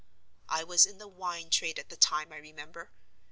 I was in the Wine Trade at the time, I remember.